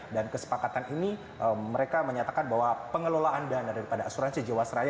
dan kesepakatan ini mereka menyatakan bahwa pengelolaan dana daripada asuransi jawa seraya